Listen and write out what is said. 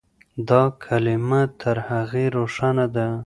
دا کلمه تر هغې روښانه ده.